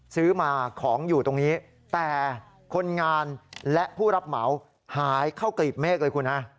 ซื้อมาของอยู่ตรงนี้แต่คนงานและผู้รับเหมาหายเข้ากลีบเมฆเลยคุณฮะ